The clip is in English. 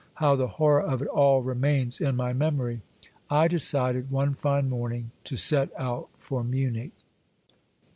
how the horror of it all remains in my memory, — I decided one fine morning to set out for Munich.